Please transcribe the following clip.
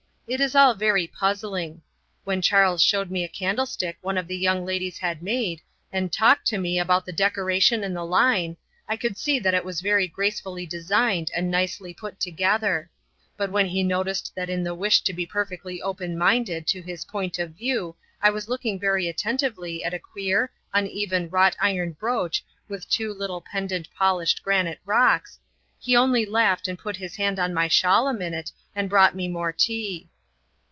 It is all very puzzling. When Charles showed me a candlestick one of the young ladies had made, and talked to me about the decoration and the line, I could see that it was very gracefully designed and nicely put together. But when he noticed that in the wish to be perfectly open minded to his point of view I was looking very attentively at a queer, uneven wrought iron brooch with two little pendant polished granite rocks, he only laughed and put his hand on my shawl a minute and brought me more tea.